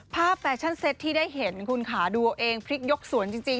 ภาพแฟชั่นเซตที่ได้เห็นคุณค่ะดูเอ็งพริกยกสวนจริง